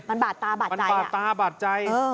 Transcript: มันบาดตาบาดใจ